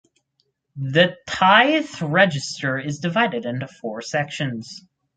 The tithe register is divided into four sections.